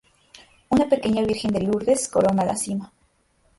Una pequeña virgen de Lourdes corona la cima.